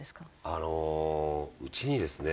あのうちにですね